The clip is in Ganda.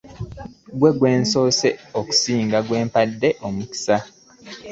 Gwe musoose okusanga gwe mpadde omukisa.